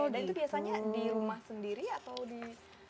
dan itu biasanya di rumah sendiri atau di restoran